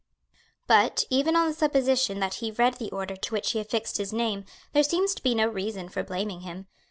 But, even on the supposition that he read the order to which he affixed his name, there seems to be no reason for blaming him.